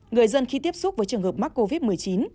người dân khi tiếp xúc với trường hợp mắc covid một mươi chín